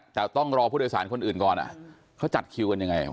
แต่ต้องรอผู้โดยสารคนอื่นก่อนเขาจัดคิวกันยังไง